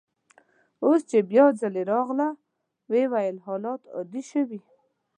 اوس چي بیا ځلې راغله او ویې لیدل، حالات عادي شوي.